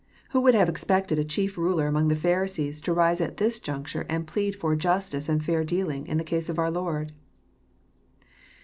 Who would have expected a chief ruler among the Pharisees to rise at this juncture and plead for justice and fair dealing in tjie case of our Lord